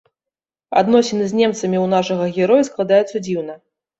Адносіны з немцамі ў нашага героя складаюцца дзіўна.